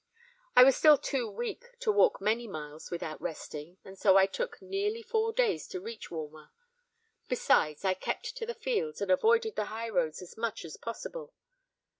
I was still too weak to walk many miles without resting; and so I took nearly four days to reach Walmer. Besides, I kept to the fields, and avoided the high road as much as possible.